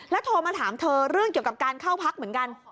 โทรมาถามเธอเรื่องเกี่ยวกับการเข้าพักเหมือนกัน